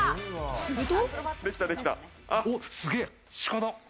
すると。